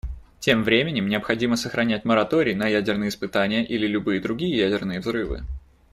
Тем временем необходимо сохранять мораторий на ядерные испытания или любые другие ядерные взрывы.